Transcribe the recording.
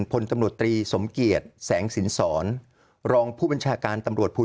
พลตำรวจตรีสมเกียจแสงสินสรรองผู้บัญชาการตำรวจภูทร